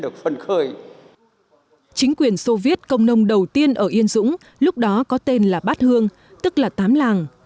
chính quyền soviet công nông đầu tiên ở yên dũng lúc đó có tên là bát hương tức là tám làng